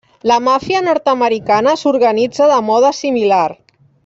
La Màfia nord-americana s'organitza de mode similar.